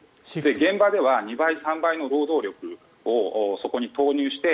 現場では２倍、３倍の労働力をそこに投入して